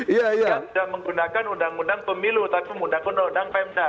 tidak menggunakan undang undang pemilu tapi menggunakan undang undang pemda